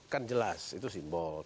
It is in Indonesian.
kan jelas itu simbol